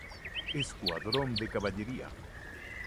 Escuadrón de Caballería.